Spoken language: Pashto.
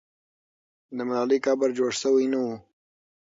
د ملالۍ قبر جوړ سوی نه وو.